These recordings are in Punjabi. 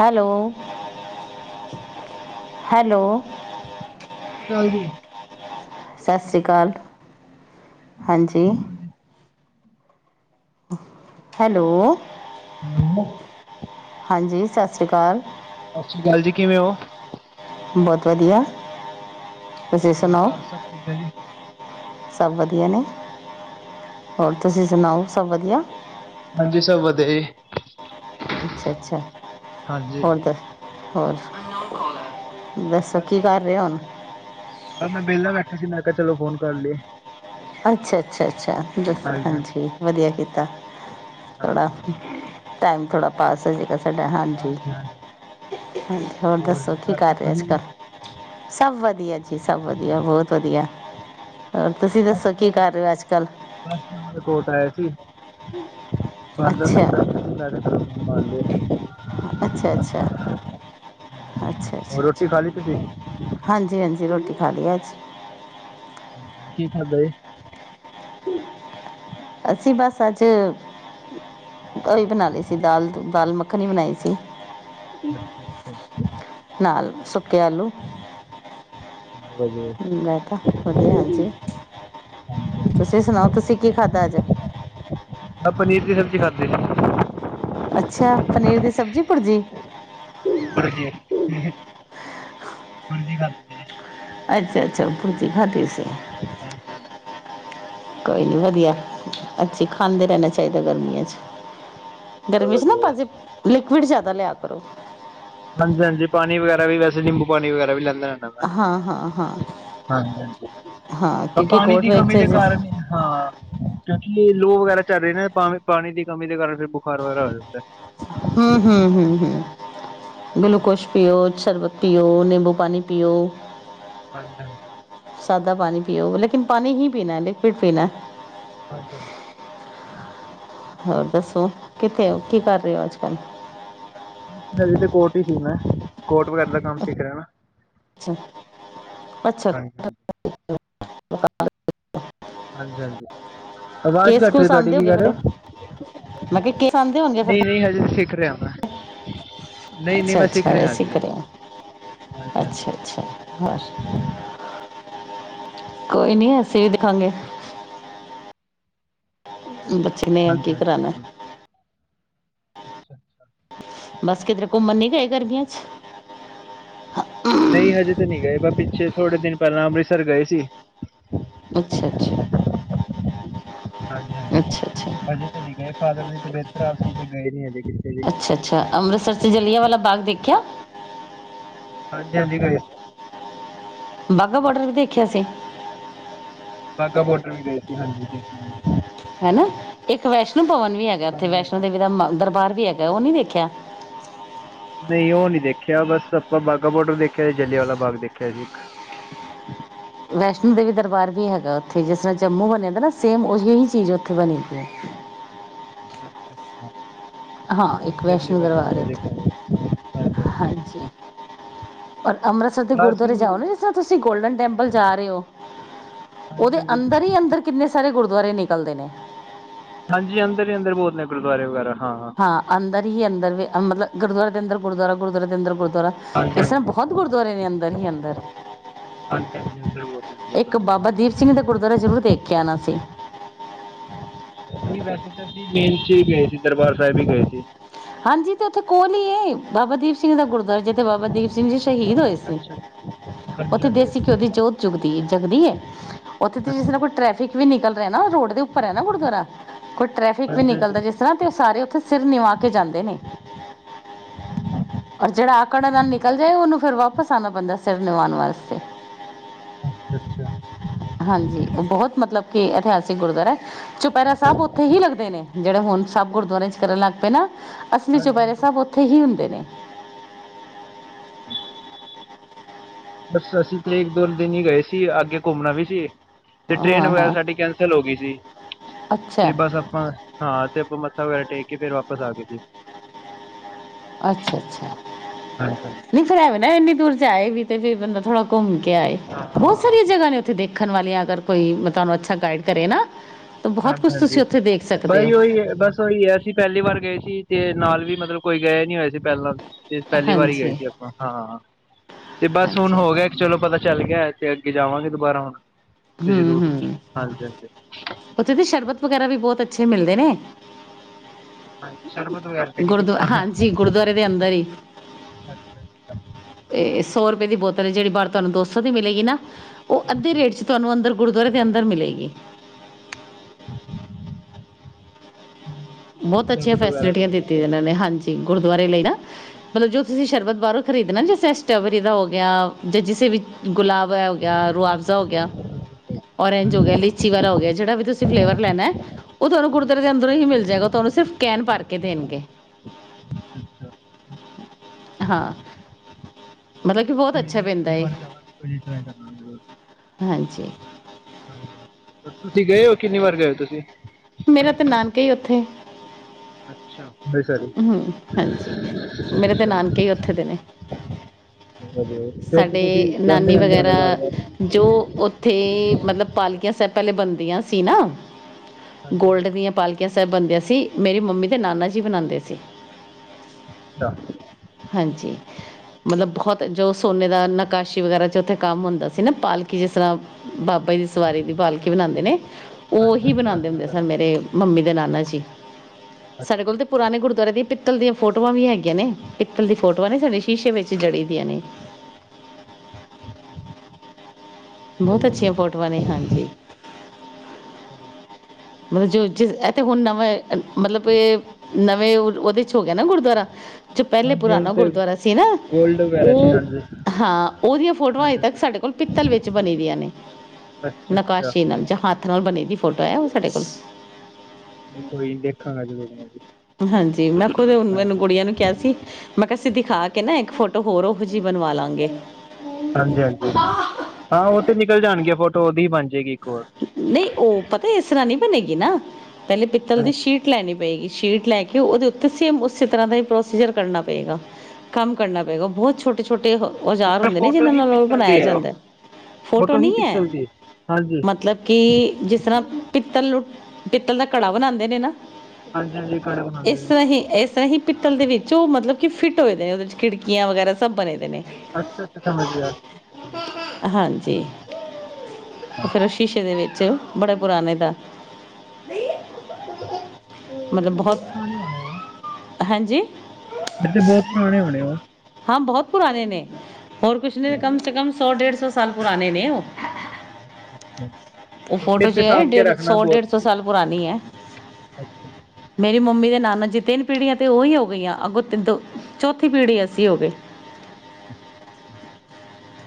ਹੈਲੋ ਹੈਲੋ ਸਤਿ੍ ਸ਼੍ਰੀ ਅਕਾਲ ਜੀ ਸਤਿ ਸ੍ਰੀ ਅਕਾਲ ਹਾਂਜੀ ਹੈਲੋ ਹੈਲੋ ਹਾਂਜੀ ਸਤਿ ਸ੍ਰੀ ਅਕਾਲ ਸਤਿ ਸ੍ਰੀ ਅਕਾਲ ਜੀ ਕਿਵੇਂ ਹੋ ਬਹੁਤ ਵਧੀਆ ਤੁਸੀਂ ਹੋਰ ਸੁਣਾਓ ਘਰ ਸਭ ਕਿੱਦਾਂ ਜੀ ਸਭ ਵਧੀਆ ਨੇ ਹੋਰ ਤੁਸੀਂ ਸੁਣਾਓ ਸਭ ਵਧੀਆ ਹਾਂਜੀ ਸਭ ਵਧੀਆ ਜੀ ਅੱਛਾ ਅੱਛਾ ਹਾਂਜੀ, ਹੋਰ ਦ ਹੋਰ ਦੱਸੋ ਬਸ ਕੀ ਕਰ ਰਹੇ ਹੁਣ ਬਸ ਮੈਂ ਵਿਹਲਾ ਮੈਂ ਬੈਠਾ ਕਿਹਾ ਚਲੋ ਫੋਨ ਕਰ ਲਏ ਅੱਛਾ ਅੱਛਾ ਅੱਛਾ ਦੱਸ ਹਾਂਜੀ ਵਧੀਆ ਕੀਤਾ ਥੋੜ੍ਹਾ ਹਾਂਜੀ ਟਾਈਮ ਥੜਾ ਪਾਸ ਹੋ ਜਾ ਸਾਡਾ ਹਾਂਜੀ ਹਾਂਜੀ ਹੋਰ ਦੱਸੋ ਜੀ ਕੀ ਘਰ ਕਰ ਸਭ ਰਹੇ ਅੱਜ ਵਧੀਆ ਜੀ? ਕੱਲ੍ਹ ਸਭ ਵਧੀਆ ਜੀ ਸਭ ਵਧੀਆ ਬਹੁਤ ਵਧੀਆ ਤੁਸੀਂ ਦੱਸੋ ਬਸ ਕੀ ਕਰ ਰਹੇ ਹੋ ਅੱਜ ਕੱਲ ਬਸ ਮ ਕੋਟ ਹੈ ਸੀ ਅੱਛਾ [inaudible] [inaudible] ਅੱਛਾ ਅੱਛਾ ਹਾਂਜੀ ਹਾਂਜੀ, ਅੱਛਾ ਹੋਰ ਅੱਛਾ ਰੋਟੀ ਅੱਛਾ ਖਾ ਲਈ ਤੁਸੀਂ? ਹਾਂਜੀ ਹਾਂਜੀ ਰੋਟੀ ਖਾ ਦੀਆਂ ਸੀ ਹਾਂਜੀ ਕੀ ਖਾਧਾ ਜ ਅਸੀਂ ਬਸ ਅੱਜ ਉਹੀ ਬਣਾ ਲਈ ਸੀ ਦਾਲ ਦਾਲ ਮੱਖਣੀ ਵੀ ਬਣਾਈ ਸੀ ਅੱਛਾ ਅੱਛਾ ਅੱਛਾ ਕੇਲੂ ਵਧੀਆ। ਮੈਂ ਕਿਹਾ ਵਧੀਆ ਹਾਂਜੀ ਹਾਂਜੀ ਹਾਂਜੀ ਤੁਸੀਂ ਸੁਣਾਓ ਤੁਸੀਂ ਕੀ ਖਾਧਾ ਅੱਜ ਕੀ ਸਬਜ਼ੀ ਖਾਧੀ ਸੀ। ਅੱਛਾ ਪਨੀਰ ਦੀ ਸਬਜ਼ੀ ਭੁਰਜੀ। ਭੁਰਜੀ -ਭੁਰਜੀ ਖਾਧੀ ਸੀ। ਅੱਛਾ -ਅੱਛਾ ਭੁਰਜੀ ਖਾਦੀ ਸੀ। ਹਾਂਜੀ। ਕੋਈ ਨਹੀਂ ਵਧੀਆ ਅੱਛੀ ਖਾਂਦੇ ਰਹਿਣਾ ਚਾਹੀਦਾ ਗਰਮੀਆਂ ਚ ਬਹੁਤ ਗਰਮੀ ਚ ਨਾ ਵਧੀਆ ਭਾਜੀ ਲਿਕੁਅਡ ਜ਼ਿਆਦਾ ਲਿਆ ਕਰੋ। ਹਾਂਜੀ -ਹਾਂਜੀ ਪਾਣੀ ਵਗੈਰਾ ਵੀ ਵੈਸੇ ਨਿੰਬੂ ਪਾਣੀ ਵਗੈਰਾ ਵੀ ਲੈਂਦਾ। ਹਾਂ ਹਾਂ ਹਾਂ ਹਾਂਜੀ- ਹਾਂਜੀ ਹਾਂ ਕਿਉਂਕਿ ਪਾਣੀ ਕੋਟ ਦੀ ਕਮੀ ਵਿੱਚ ਦੇ ਜਿਸ ਕਾਰਨ ਹੀ ਹਾਂ। ਲੋਹ ਵਗੈਰਾ ਚੱਲ ਰਹੀ ਨੇ ਪਾ ਪਾਣੀ ਦੀ ਕਮੀ ਦੇ ਕਾਰਨ ਫਿਰ ਬੁਖਾਰ ਵਗੈਰਾ ਹੋ ਜਾਂਦਾ। ਹੂੰ, ਹੂੰ, ਹੂੰ, ਹੂੰ। ਹਾਂ ਗੁਲੂਕੋਸ ਪੀਓ ਸ਼ਰਬਤ ਪੀਓ, ਨਿੰਬੂ ਪਾਣੀ ਪੀਓ ਅੱਛਾ। ਸਾਦਾ ਪਾਣੀ ਪੀਓ ਲੇਕਿਨ ਪਾਣੀ ਹੀ ਪੀਣਾ ਲਿਕਵਿਡ ਪੀਣਾ। [inaudible] ਹੋਰ ਦੱਸੋ ਕਿੱਥੇ ਓ ਕੀ ਕਰ ਰਹੇ ਹੋ ਅੱਜ- ਕੱਲ ਬਸ ਨਦੀ ਤੇ ਕੋਟ ਹੀ ਸੀ ਮੈਂ ਕੋਟ ਵਗੈਰਾ ਦਾ ਕੰਮ ਸਿੱਖ ਰਿਹਾ ਨਾ। ਅੱਛਾ। ਅੱਛਾ। ਹਾਂਜੀ ਹਾਂਜੀ [unintelligible] ਹਾਂਜੀ -ਹਾਂਜੀ। ਆਵਾਜ਼ ਕੇਸ ਘੱਟ ਰਹੀ ਕੂਸ ਤੁਹਾਡੀ ਆਂਦੇ ਕੀ ਹੋਗੇ ਕਹਿ ਰਹੇ ਫਿਰ, ਹੋ ਮੈਂ ਕਿਹਾ ਕੇਸ ਆਂਦੇ ਹੋਣਗੇ ਫਿਰ। ਟੁਰਿਆ ਆਂਦਾ। ਅੱਛਾ -ਅੱਛਾ ਅਜੇ ਸਿੱਖ ਰਿਹਾਂ, ਹਾਂਜੀ ਹਾਂਜੀ ਅੱਛਾ- ਅੱਛਾ ਹੋਰ ਕੋਈ ਨੀ ਅਸੀਂ ਵੀ ਦਿਖਾਂਗੇ। ਬੱਚੇ ਨੇ ਕੀ ਹਾਂਜੀ ਕਰਾਣਾ ਜ਼ਰੂਰ ਅੱਛਾ- ਅੱਛਾ। ਬਸ ਕਿਧਰ ਘੁੰਮਣ ਨੀ ਗਏ ਗਰਮੀਆਂ ਚ ਨਹੀਂ ਹਜੇ ਤਾਂ ਨਹੀਂ ਗਏ ਬਾ ਪਿੱਛੇ ਥੋੜੇ ਦਿਨ ਪਹਿਲਾਂ ਅੰਮ੍ਰਿਤਸਰ ਗਏ ਸੀ। ਅੱਛਾ -ਅੱਛਾ। ਹਾਂਜੀ -ਹਾਂਜੀ ਅੱਛਾ ਅੱਛਾ ਹਜੇ ਤੇ ਨਹੀਂ ਗਏ, ਫਾਦਰ ਦੀ ਤਬੀਅਤ ਅਸੀ ਤੇ ਗਏ ਨੀ ਹਜੇ। ਕਿਤੇ ਵੀ ਅੱਛਾ -ਅੱਛਾ ਅੰਮ੍ਰਿਤਸਰ ਚ ਜਲ੍ਹਿਆਂ ਵਾਲਾ ਬਾਗ ਦੇਖਿਆ। ਹਾਂਜੀ -ਹਾਂਜੀ ਮੈਂ ਦੇਖਿਆ। ਬਾਘਾ ਬਾਰਡਰ ਵੀ ਦੇਖਿਆ ਸੀ। ਬਾਗਾ ਬੋਡਰ ਵੀ ਗਏ ਸੀ ਹਾਂਜੀ ਦੇਖ [inaudible] ਹਨਾ [inaudible] ਇੱਕ ਵੈਸ਼ਨੋ ਭਵਨ ਵੀ ਹੈਗਾ ਉੱਥੇ ਹਾਂਜੀ ਵੈਸ਼ਨੋ ਹਾਂਜੀ ਦੇਵੀ ਦਾ ਦਰਬਾਰ ਵੀ ਹੇਗਾ ਉਹ ਨਹੀਂ ਵੇਖਿਆ [inaudible] ਨਹੀਂ ਉਹ ਨੀ ਦੇਖਿਆ ਬਸ ਆਪਾਂ ਬਾਘਾ ਬੋਡਰ ਦੇਖਿਆ ਜਲਿਆਂਵਾਲਾ ਬਾਗ ਦੇਖਿਆ ਜੀ ਇੱਕ ਵੈਸ਼ਨੋ ਦੇਵੀ ਦਰਬਾਰ ਵੀ ਹੈਗਾ ਉੱਥੇ ਜਿਸ ਤਰਾਂ ਜੰਮੂ ਬਣਿਆ ਦਾ ਨਾ ਸੇਮ ਉਹੀ ਹੀ ਚੀਜ਼ ਉੱਥੇ ਬਣੀ ਦੀ ਏ। ਅੱਛਾ ਅੱਛਾ ਹਾਂ ਕੋਈ ਇੱਕ ਨਹੀਂ ਅਗਲੀ ਵੈਸ਼ਨੋ ਵਾਰ ਦਰਬਾਰ ਜਾਵਾਂਗੇ ਉੱਥੇ ਦੇਖਾਂਗੇ ਹਾਂਜੀ [inaudible] [inaudible] ਅੰਮ੍ਰਿਤਸਰ ਦੇ ਹਾਂਜੀ ਅਸੀਂ ਗੁਰਦੁਆਰੇ ਜਾਓ ਨਾ ਜਿਸ ਤਰ੍ਹਾਂ ਤੁਸੀਂ ਗੋਲਡਨ ਟੈਂਪਲ ਜਾ ਰਹੇ ਹੋ ਹਾਂਜੀ ਉਹਦੇ ਅੰਦਰ ਹਾਂਜੀ ਹੀ ਅੰਦਰ ਕਿੰਨੇ ਸਾਰੇ ਗੁਰ ਦੁਆਰੇ ਨਿਕਲਦੇ ਨੇ। [inaudible] ਹਾਂਜੀ ਅੰਦਰ ਹੀ ਅੰਦਰ ਬਹੁਤ ਨੇ ਗੁਰਦੁਆਰੇ ਵਗੈਰਾ ਹਾਂ ਅੰਦਰ ਅੰਦਰ ਵੀ ਮਤਲਬ ਗੁਰਦੁਆਰੇ ਦੇ ਅੰਦਰ ਗੁਰਦੁਆਰਾ ਗੁਰੁਆਦਰੇ ਅੰਦਰ ਗੁਰੁਆ ਗੁਰਦੁਆਰਾ ਹਾਂਜੀ ਇਸ ਤਰ੍ਹਾਂ ਹਾਂਜੀ ਬਹੁਤ ਗੁਰਦੁਆਰੇ ਨੇ ਅੰਦਰ ਹੀ ਅੰ ਘ [inaudible] ਹਜੀੰ ਵਗ [unintelligible] ਬਾਬਾ ਦੀਪ ਸਿੰਘ ਦਾ ਗੁਰਦੁਆਰਾ ਜ਼ਰੂਰ ਦੇਖ ਕੇ ਆਣਾ ਸੀ ਨਹੀਂ ਵੈਸੇ ਤਾਂ ਮੇਨ'ਚ ਗਏ ਸੀ ਦਰਬਾਰ ਸਾਹਿਬ ਹੀ ਗਏ ਸੀ। ਹਾਂਜੀ ਤੇ ਉੱਥੇ ਕੋਲ ਈ ਏ ਬਾਬਾ ਦੀਪ ਸਿੰਘ ਦਾ ਗੁਰਦਵਆਰਾ ਤੇ ਬਾਬਾ ਦੀਪ ਸਿੰਘ ਜੀ ਸ਼ਹੀਦ ਹੋਏ ਸੀ ਅੱਛਾ ਹਾਂਜੀ ਉੱਥੇ ਹਾਂਜੀ ਦੇਸੀ ਘਿਓ ਦੀ ਅੱਛਾ ਜੋਤ ਜੁਗਦੀ ਜਗਦੀ ਏ। [inaudible] ਉੱਥੇ ਤੇ ਜਿਸ ਅੱਛਾ ਨਾਲ ਕੋਈ ਟ੍ਰੈਫਿਕ ਵੀ ਨਿਕਲ ਨਾ ਰੋਡ ਦੇ ਉੱਪਰ ਹੈ ਨਾ ਗੁਰਦੁਆਰਾ [inaudible] ਕੋਈ ਟ੍ਰੈਫਿਕ ਵੀ ਹਾਂਜੀ ਨਿਕਲਦਾ ਜਿਸ ਹਾਂਜੀ ਤਰ੍ਹਾਂ ਤੇ ਉਹ ਸਾਰੇ ਤੇਸਿਰ ਨਿਵਾ ਜਾਂਦੇ ਨੇ ਔਰ ਜਿਹੜਾ ਆਕੜ ਨਾਲ ਨਿਕਲ ਜਾਏ ਉਹਨੂੰ ਫਿਰ ਵਾਪਿਸ ਆਉਣਾ ਪੈਂਦਾ ਸਿਰ ਨਿਵਾਾਉਣ ਵਾਸਤੇ [inaudible] ਅੱਛਾ -ਅੱਛਾ ਕੀ ਇਤਿਹਾਸਿਕ ਗੁਰਦੁਆਰਾ [inaudible] ਚੁਪਹਿਰਾ ਸਾਹਿਬ ਉੱਥੇ ਹੀ ਲੱਗਦੇ ਨੇ। ਜਿਹੜੇ ਹੁ ਸਭ ਗੁਰਦੁਆਰੇ 'ਚ ਕਰਨ ਲੱਗ ਪਏ ਨਾ। ਅਸਲੀ ਹਾਂਜੀ ਚੁਪਹਿਰੇ ਹਾਂਜੀ ਸਾਹਿਬ ਉੱਥੇ ਹੀ ਹੁੰਦੇ ਨੇ। [inaudible] ਬਸ ਅਸੀਂ ਤੇ ਇੱਕ ਦੋ ਦਿਨ ਹੀ ਗਏ ਸੀ ਅੱਗੇ ਘੁੰਮਣਾ ਵੀ ਸੀ। ਤੇ ਟ੍ਰੇਨ ਹਾਂ ਵਗੈਰਾ ਹਾਂ ਸਾਡੀ ਕੈਂਸਲ ਹੋ ਗਈ ਸੀ ਤੇ ਅੱਛਾ। ਬਸ ਆਪਾਂ ਹਾਂ ਤੇ ਆਪਾਂ ਮੱਥਾ ਵਗੈਰਾ ਟੇਕ ਕਿ ਫੇਰ ਵਾਪਸ ਆ ਗਏ ਸੀ। ਅੱਛਾ -ਅੱਛਾ ਹਾਂਜੀ ਨਈ ਫਿਰ ਐਂਵੇ ਨੀ। ਦੂਰ ਜਾਏ ਵੀ ਤੇ ਫ਼ਿਰ ਬੰਦਾ ਥੋੜਾ ਘੁੰਮ ਕੇ ਆਏ ਬਹੁਤ ਸਾਰੀਆਂ ਜਗਾ ਨੇ ਉੱਥੇ ਦੇ ਸਿੱਖਣ ਵਾਲੀਆਂ ਅਗਰ ਕੋਈ ਤੁਹਾਨੂੰ ਅੱਛਾ ਗਾਈਡ ਕਰੇ ਨਾ ਤਾਂ ਬਹੁਤ ਕੁਝ ਹਾਂਜੀ-ਹਾਂਜੀ, ਤੁਸੀਂ ਉੱਥੇ ਦੇਖ ਸਕਦੇ ਹੋ ਬਹੀ ਉਹੀ ਹੈ ਬਸ ਉਹੀ ਹੈ ਅਸੀਂ ਪਹਿਲੀ ਵਾਰ ਗਏ ਸੀ ਤੇ ਨਾਲ ਵੀ ਮਤਲਬ ਕੋਈ ਗਏ ਨੀ ਹੋਆ ਸੀ ਪਹਿਲਾਂ। ਤੇ ਪਹਿਲੀ ਵਾਰੀ ਗਏ ਹਾਂਜੀ ਸੀ ਆਪਾਂ। ਹਾਂ, ਤੇ ਬਸ ਹੁਣ ਹਾਂਜੀ ਹੋ ਗਿਆ ਚਲੋ ਪਤਾ ਚੱਲ ਗਿਆ ਤੇ ਅੱਗੇ ਜਾਵਾਂਗੇ ਦੁਬਾਰਾ ਹੁਣ। ਤੇ ਹੂੰ ਜ਼ਰੂਰ, ਹਾਂਜੀ-ਹਾਂਜੀ। ਉਥੇ ਦੇ ਸ਼ਰਬਤ ਵਗੈਰਾ ਵੀ ਬਹੁਤ ਅੱਛੇ ਮਿਲਦੇ ਨੇ। ਹਾਂਜੀ। ਸ਼ਰਬਤ ਵਗੈਰਾ ਤੇ ਨੀ ਗੁਰਦੁਆਰ ਪੀਤਾ ਹੈ ਹਾਂਜੀ ਗੁਰਦੁਆਰੇ ਦੇ ਅੰਦਰ ਹੀ। ਅੱਛਾ ਅੱਛਾ ਤੇ ਸੌ ਰੁਪਏ ਦੀ ਬੋਤਲ ਏ ਜਿਹੜੀ ਬਾਹਦ ਤੁਹਾਨੂੰ ਦੋ ਸੌ ਦੀ ਮਿਲੇਗੀ ਨਾ। ਉ ਅੱਧੇ ਹਾਂਜੀ ਰੇਟ 'ਚ ਤੁਹਾਨੂੰ ਅੰਦਰ ਗੁਰਦੁਆਰੇ ਦੇ ਅੰਦਰ ਮਿਲੇਗੀ। ਬਹੁਤ ਅੱਛੀਆਂ ਸ਼ਰਬਤ ਵਗੈਰਾ ਵੀ ਫੈਸਿਲਿਟੀਆਂ ਨਹੀਂ ਦਿੱਤੀਆਂ ਜੇ ਦਿੱਤਾ ਉਹਨਾ ਨੇ ਹਾਂਜੀ। ਗੁਰਦੁਆਰੇ ਲਈ ਨਾ, ਅੱਛਾ ਮਤਲਬ ਜੋ ਤੁਸੀਂ ਸ਼ਰਬਤ ਬਾਹਰੋਂ ਖਰੀਦਣਾ ਜੇ ਸੇਸਟੋਬੇਰੀ ਦਾ ਹੋ ਗਿਆ ਜਾਂ ਜਿਸੇ ਵੀ ਗੁਲਾਬ ਹੋ ਗਿਆ ਰੁਆਵਜ਼ਾ ਹੋ ਗਿਆ, ਓਰੇੰਜ ਹੋ ਗਿਆ, ਲੀਚੀ ਵਾਲਾ ਹੋ ਗਿਆ ਜਿਹੜਾ ਵੀ ਤੁਸੀਂ ਫਲੇਵਰ ਲੈਣਾ ਉਹ ਤੁਹਾਨੂੰ ਗੁਰੂ ਦੁਆਰੇ ਦੇ ਅੰਦਰੋਂ ਹੀ ਮਿਲ ਜਾਏਗਾ। ਕੈਣ ਭਰ ਕੇ ਦੇਣਗੇ, ਅੱਛਾ ਹਾਂ। ਮਤਲਬ ਕਿ ਬਹੁਤ ਕੋਈ ਅੱਛਾ ਜੀ, ਪੈਂਦਾ ਅਗਲੀ ਏ ਵਾਰ ਜਾਵਾਗੇ ਕੋਈ ਨ ਟਰਾਈ ਕਰਾਗੇ। ਹਾਂਜੀ ਹਾਂਜੀ, ਤੁਸੀਂ ਗਏ ਹੋ? ਕਿੰਨੀ ਵਾਰ ਗਏ ਹੋ ਤੁਸੀਂ? ਮੇਰਾ ਤੇ ਨਾਨਕੇ ਹੀ ਉੱਥੇ ਅੱਛਾ। ਸਰ ਅੱਛਾ ਹੁੰ, ਹਾਂਜੀ, ਮੇਰੇ ਤੇ ਅੱਛਾ ਨਾਨਕੇ ਉੱਥੇ ਦੇ ਨੇ। ਵਧੀਆ ਫਿਰ ਤੇ ਸਾਡੇ ਤੁਸੀਂ ਜਾਂਦੇ ਨਾਨੀ ਰਹਿੰਦੇ ਹੋਣੇ ਵਗੈਰਾ, ਬਾਰ ਬਾਰ ਹਾਂਜੀ ਜੋ ਉੱਥੇ ਮਤਲਬ ਪਾਲਕੀਆਂ ਸਾਹਿਬ ਪਹਿਲੇ ਬਣਦੀਆਂ ਸੀ ਨਾ। ਹਾਂਜੀ ਗੋਲਡ ਦੀਆਂ ਪਾਲਕੀਆਂ ਬਣਦੀਆਂ ਸੀ। ਮੇਰੀ ਮੰਮੀ ਦੇ ਨਾਨਾ ਜੀ ਬਣਾਦੇ ਸੀ। ਅੱਛਾ। ਹਾਂਜੀ, ਮਤਲਬ ਬਹੁਤ ਜੋ- ਸੋਨੇ ਦਾ ਨਕਾਸ਼ੀ ਵਗੈਰਾ 'ਚ ਉੱਥੇ ਕੰਮ ਹੁੰਦਾ ਸੀ ਨਾ ਪਾਲਕੀ ਜਿਸ ਤਰ੍ਹਾਂ ਬਾਬਾ ਦੀ ਸਵਾਰੀ ਦੀ ਪਾਲਕੀ ਬਣਾਉਂਦੇ ਨੇ, ਉਹੀ ਹਾਂਜੀ ਬਣਾਉਂਦੇ ਪਾਰਟੀ ਹੁੰਦੇ ਸਨ ਮੇਰੇ ਮੰਮੀ ਦੇ ਨਾਨਾ ਜੀ। ਸਾਡੇ ਕੋਲ ਤੇ ਪੁਰਾਣੇ ਗੁਰਦੁਆਰੇ ਦੀ ਪਿੱਤਲ ਦੀਆਂ ਫੋਟੋਆਂ ਵੀ ਹੈਗੀਆਂ। ਪੀਤਲ ਦੀ ਫੋਟੋਆਂ ਨੀ ਸਾਡੇ ਸ਼ੀਸ਼ੇ ਵਿੱਚ ਜੜੀ ਦੀਆਂ ਨੇ। ਬਹੁਤ ਅੱਛੀਆਂ ਵਗੈਰਾ ਫੋਟੋਆਂ ਨੇ, ਹਾਂਜੀ। ਬਾਈ ਮਤਲਬ ਜੋ ਜਿਸ ਇਹ ਤੇ ਹੁਣ ਨਵਾਂ ਐ ਮਤਲਬ ਕਿ ਨਵੇਂ ਉਹਦੇ ਚ ਹੋ ਗਿਆ ਨਾ ਗੁਰਦੁਆਰਾ ਜੋ ਪਹਿਲੇ ਹਾਂਜੀ ਹੁਣ ਪੁਰਾਉਣਾ ਤੇ ਗੁਰਦੁਆਰਾ ਸੀ ਨਾ ਗੋਲਡ ਵਗੈਰਾ 'ਚ ਉਹ ਹਾਂਜੀ ਹਾਂ, ਉਹਦੀਆਂ ਫੋਟੋਆਂ ਅਜੇ ਹਾਂਜੀ ਤੱਕ ਸਾਡੇ ਕੋਲ ਪਿੱਤਲ ਵਿੱਚ ਬਣੀ ਦੀਆਂ ਨੇ ਅੱਛਾ ਅੱਛਾ ਨਕਾਸ਼ੀ ਨਾਲ ਨਾਲ ਬਣੀ ਦੀ ਫੋਟੋ ਹੈ। ਸਾਡੇ ਕੋਲ ਕੋਈ ਨੀ ਦੇਖਾਂਗਾ ਜਦੋਂ ਹਨਾ ਜੀ, ਹਾਂਜੀ। ਮੈਂ ਕਿਉਂ ਉਹ ਮੈਨੂੰ ਕੁੜੀਆਂ ਨੂੰ ਕਿਹਾ ਸੀ। ਮੈਂ ਕਿਹਾ ਅਸੀਂ ਦਿਖਾ ਕੇ ਨਾ, ਇੱਕ ਫੋਟੋ ਹੋਰ ਉਹੋ ਜਿਹੀ ਬਣਵਾ ਲਵਾਂਗੇ। ਹਾਂਜੀ- ਹਾਂਜੀ ਹਾਂ, ਉਹ ਤੇ ਨਿਕਲ ਜਾਣਗੀਆਂ ਫੋਟੋ ਫੋਟੋ ਉਹਦੀ ਬਣ ਜਾਏਗੀ। ਇੱਕ ਹੋਰ ਨਹੀਂ ਉਹ ਪਤਾ ਇਸ ਤਰ੍ਹਾਂ ਨੀ। ਬਣੇਗੀ ਨ ਪਹਿਲੇ ਪਿੱਤਲ ਦੀ ਹਾਂਜੀ ਸ਼ੀਟ ਲੈਣੀ ਪਏਗੀ। ਸ਼ੀਟ ਲੈ ਕੇ ਉਹਦੇ ਉੱਤੇ ਸੇਮ ਉਸੇ ਤਰ੍ਹਾਂ ਦਾ ਹੀ ਪ੍ਰੋਸੀਜਰ ਕਰਨਾ ਪਏਗਾ। ਕੰਮ ਕਰਨਾ ਪਏਗਾ। ਬਹੁਤ ਛੋਟੇ- ਛੋਟੇ ਛੋਟੇ ਔਜ਼ਾਰ ਮਤਲਬ ਹੁੰਦੇ ਨੇ ਫੋਟੋ ਜਿਹਨਾਂ ਹੀ ਨਾਲ ਪਿੱਤਲ ਬਣਾਇਆ ਦੀ ਹੈ ਉਹ ਜਾਂਦਾ। ਫੋਟੋ ਹੀ ਨੀ ਹੈ ਪਿੱਤਲ ਦੀ ਹਾਂਜੀ ਮਤਲਬ ਕਿ ਜਿਸ ਤਰ੍ਹਾਂ ਪਿੱਤਲ ਨੂੰ ਪਿੱਤਲ ਦਾ ਘੜਾ ਬਣਾਉਂਦੇ ਨੇ ਨਾ ਹਾਂਜੀ ਹਾਂਜੀ ਕੜਾ ਇਸ ਬਣਾਉਂਦੇ ਨੇ ਤਰ੍ਹਾਂ ਹੀ ਇਸ ਤਰ੍ਹਾਂ ਹੀ ਪਿੱਤਲ ਦੇ ਵਿੱਚ ਉਹ ਮਤਲਬ ਕਿ ਫਿੱਟ ਹੋਏ ਦੇ ਉਹਦੇ 'ਚ ਖਿੜਕੀਆਂ ਵਗੈਰਾ ਸਭ ਬਣੇ ਦੇ ਨੇ। ਅੱਛਾ- ਅੱਛਾ ਸਮਝ ਗਿਆ। ਹਾਂਜੀ। ਉਹ ਫੇਰ ਸ਼ੀਸ਼ੇ ਤੇ ਦੇ ਵਿੱਚ ਬੜਾ ਪੁਰਾਣੇ ਦਾ ਫਿਰ ਤੇ ਬਹੁਤ ਪੁਰਾਣੇ ਹੋ ਰਹੇ ਉਹ ਹਾਂਜੀ। ਫੇਰ ਤੇ ਬਹੁਤ ਪੁਰਾਣੇ ਹੋਣੇ ਉਹ ਹਾਂ, ਬਹੁਤ ਪੁਰਾਣੇ ਨੇ ਹੋਰ ਕੁਛ ਨਹੀਂ ਤੇ ਅੱਛਾ ਕਮ ਸੇ ਕਮ ਸੌ- ਡੇਢ ਸੌ ਡੇਢ ਸੌ ਸਾਲ ਪੁਰਾਣੇ ਨੇ ਉਹ ਅੱਛਾ ਉਹ ਫੋਟੋ ਫਿਰ ਤੇ ਜੇ ਸਾਂਭ ਕੇ ਹੈ ਰੱਖਣਾ ਸੌ- ਬਹੁਤ ਡੇਢ ਸੌ ਸਾਲ ਪੁਰਾਣੀ ਹੈ। ਅੱਛਾ। ਮੇਰੀ ਮੰਮੀ ਦੇ ਨਾਨਾ ਜੀ ਤਿੰਨ ਪੀੜ੍ਹੀਆਂ ਤੇ ਉਹੀ ਹੋ ਗਈਆਂ। ਅੱਗੋਂ ਤਿੰਨ ਦੋ ਚੌਥੀ ਪੀੜ੍ਹੀ ਅਸੀਂ ਹੋ ਗਏ।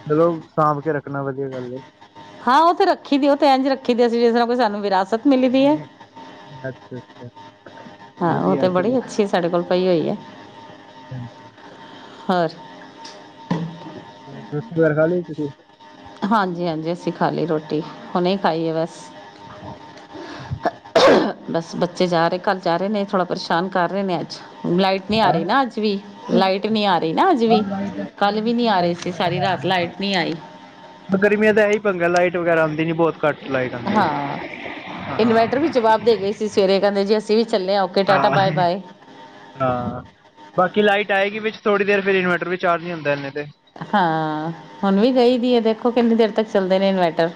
ਚਲੋ, ਸਾਂਭ ਕੇ ਰੱਖਣਾ ਵਧੀਆ ਗੱਲ ਏ। ਹਾਂ ਉਹ ਤੇ ਰੱਖੀ ਦੀ ਉਹ ਤੇ ਇੰਝ ਰੱਖੀ ਦੀ ਅਸੀ ਜਿਸ ਨਾਲ ਕੋਈ ਸਾਨੂੰ ਵਿਰਾਸਤ ਮਿਲੀ ਦੀ ਹੈ ਅੱਛਾ-ਅੱਛਾ, ਹਾਂ ਉਹ ਵਧੀਆ ਤੇ ਚਲੋ। ਬੜੀ ਅੱਛੀ ਸਾਡੇ ਕੋਲ ਪਈ ਹੋਈ ਹੈ। ਹੋਰ ਹੋਰ ਰੋਟੀ ਵਗੈਰਾ ਖਾ ਲਈ ਤੁਸੀਂ ਹਾਂਜੀ-ਹਾਂਜੀ ਅਸੀਂ ਖਾ ਲਈ ਰੋਟੀ ਹੁਣੇ ਖਾਈ ਹੈ ਬਸ ਬਸ ਬੱਚੇ ਜਾ ਰਹੇ ਘਰ ਜਾ ਰਹੇ ਨੇ ਥੋੜ੍ਹਾ ਪਰੇਸ਼ਾਨ ਕਰ ਰਹੇ ਨੇ ਅੱਜ ਲਾਈਟ ਨਹੀਂ ਆ ਹੈਂ? ਰਹੀ ਨਾ ਅੱਜ ਵੀ ਲਾਈਟ ਨਹੀਂ ਅੱਛਾ। ਆ ਰਹੀ ਨਾ ਅੱਜ ਹਾਂ ਵੀ ਲਾਈਟ ਇੱਥੇ ਕੱਲ ਵੀ ਨੀ ਓਬੀਅਸਲੀ ਆ ਰਹੀ ਲਾਈਟ ਸੀ ਵਗੈਰਾ ਸਾਰੀ ਹੈ ਰਾਤ ਨੀ ਹਾਂ। ਲਾਈਟ ਨਹੀਂ ਆਈ ਗਰਮੀਆਂ ਤਾਂ ਇਹੀ ਪੰਗਾ ਲਾਈਟ ਵਗੈਰਾ ਆਉਂਦੀ ਨੀ ਬਹੁਤ ਘੱਟ ਲਾਈਟ ਆਂਦੀ ਏ। ਹਾਂ ਇਨਵਰਟਰ ਵੀ ਜਵਾਬ ਦੇ ਗਏ ਸੀ ਸਵੇਰੇ ਕਹਿੰਦੇ ਜੇ ਹਾਂ-ਹਾਂ ਬਾਕੀ ਲਾਈਟ ਆਏਗੀ ਵਿੱਚ ਥੋੜ੍ਹੀ ਦੇਰ ਫਿਰ ਇਨਵਰਟਰ ਵੀ ਚਾਰਜੀ ਹੁੰਦਾ ਇਨੇ ਤੇ ਹਾਂ ਹੁਣ ਵੀ ਗਈ ਦੀ ਹੈ ਦੇਖੋ ਕਿੰਨੀ ਦੇਰ ਤੱਕ ਚੱਲਦੇ ਨੇ ਇਨਵਰਟਰ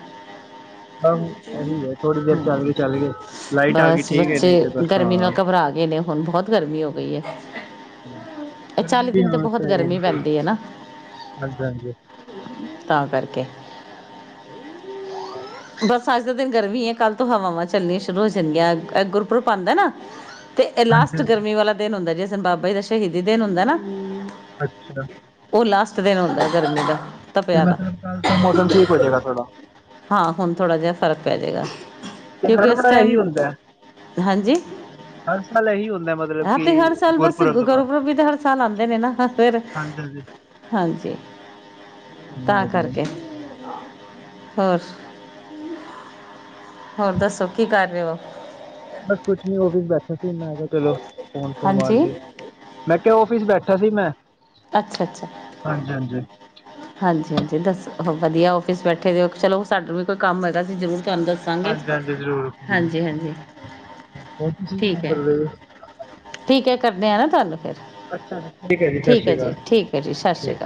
ਆਹੋ ਉਹੀ ਹੈ ਥੋੜ੍ਹੀ ਦੇਰ ਹੂੰ ਚੱਲ ਗਈ ਚੱਲ ਗਈ ਲਾਈਟ ਆ ਗਈ ਬਸ ਠੀਕ ਹੈ ਬੱਚੇ ਨਹੀਂ ਤੇ ਬਸ ਗਰਮੀ ਹਾਂ। ਨਾਲ ਘਬਰਾ ਗਏ ਨੇ ਹੁਣ ਬਹੁਤ ਗਰਮੀ ਹੋ ਗਈ ਹੈ ਇਹ ਗਰਮੀ ਚਾਲੀ ਵੀ ਦਿਨ ਤੇ ਹਾਂ ਬਹੁਤ ਪੈ ਰਹੀ ਗਰਮੀ ਪੈਂਦੀ ਹੈ ਨਾ ਹਾਂਜੀ-ਹਾਂਜੀ। ਤਾਂ ਕਰਕੇ ਹਾਂ ਬਸ ਅੱਜ ਦੇ ਦਿਨ ਗਰਮੀ ਆ ਕੱਲ੍ਹ ਤੋਂ ਹਵਾਵਾਂ ਚਲਣੀਆਂ ਸ਼ੁਰੂ ਹੋ ਜਾਂਦੀਆਂ ਅੱਗ ਗੁਰਪੁਰਬ ਆਉਂਦਾ ਨਾ ਤੇ ਹਾਂਜੀ ਲਾਸਟ ਹਾਂਜੀ। ਗਰਮੀ ਵਾਲਾ ਦਿਨ ਹੁੰਦੈਂ ਜਿਸ ਬਾਬਾ ਜੀ ਦਾ ਸ਼ਹੀਦੀ ਦਿਨ ਹੁੰਦਾ ਨਾ ਅੱਛਾ ਉਹ ਲਾਸਟ ਦਿਨ ਹੁੰਦਾ ਗਰਮੀ ਦਾ ਤੇ ਤਪਿਆ ਦਾ ਮਤਲਬ ਕੱਲ ਤਾਂ ਮੌਸਮ ਠੀਕ ਹੋ ਜਾਏਗਾ ਥੋਡਾ ਹਾਂ ਹੁਣ ਥੋੜਾ ਜਿਹਾ ਫਰਕ ਪੈ ਜਾਏਗਾ ਤੇ ਕਿਉਂਕਿ ਹਰ ਉਸ ਵਾਰ ਇਹੀ ਟਾਈਮ ਹੁੰਦਾ ਹੈ ਹਾਂਜੀ ਹਰ ਸਾਲ ਇਹੀ ਹੁੰਦਾ ਮਤਲਬ ਹੈ ਕਿ ਤੇ ਹਰ ਸਾਲ ਬਸ ਤੋਂ ਬਾਅਦ ਗੁਰਪੁਰਬ ਵੀ ਤੇ ਹਰ ਸਾਲ ਆਉਂਦੇ ਨੇ ਨਾ ਫਿਰ ਹਾਂਜੀ ਹਾਂਜੀ ਹਾਂਜੀ ਚਲੋ ਤਾਂ ਵਧੀਆ ਕਰਕੇ ਹੋਰ ਹੋਰ ਦੱਸੋ ਕੀ ਕਰ ਰਹੇ ਹੋ। ਬਸ ਕੁਛ ਨੀ ਉਂਵੇ ਬੈਠੇ ਕਿਨਾ ਹੈ ਚਲੋ ਫੋਨ ਫੋਨ ਮਾਰ ਹਾਂਜੀ ਲਈ ਮੈਂ ਕਿਹਾ ਉਫਿਸ ਬੈਠ ਬੈਠਾ ਸੀ ਮੈਂ ਅੱਛਾ-ਅੱਛਾ ਹਾਂਜੀ ਹਾਂਜੀ ਹਾਂਜੀ-ਹਾਂਜੀ ਦੱਸੋ ਵਧੀਆ ਔਫਿਸ ਬੈਠੇ ਦੇ ਹੋ ਚਲੋ ਸਾਨੂੰ ਵੀ ਕੋਈ ਕੰਮ ਹੋਏਗਾ ਤੇ ਜ਼ਰੂਰ ਤੁਹਾਨੂੰ ਦੱਸਾਂਗੇ। ਹਾਂਜੀ-ਹਾਂਜੀ ਜ਼ਰੂਰ ਹਾਂਜੀ-ਹਾਂਜੀ ਠੀਕ ਹੈ, ਠੀਕ ਹੈ ਕਰਦੇ ਆ ਨਾ ਤੁਹਾਨੂੰ ਫੇਰ ਅੱਛਾ-ਅੱਛਾ ਠੀਕ ਹੈ ਜੀ ਸਤਿ ਸ਼੍ਰੀ ਠੀਕ ਹੈ ਜੀ ਸਤਿ ਸ਼੍ਰੀ ਅਕਾਲ